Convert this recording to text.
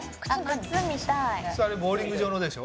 靴あれボウリング場のでしょ？